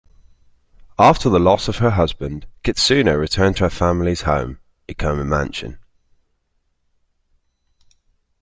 After the loss of her husband, Kitsuno returned to her family's home, Ikoma mansion.